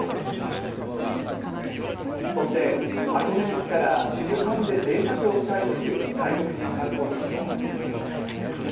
そして、箱根に来たら旅館でぜいたくをしたいという外国人観光客も。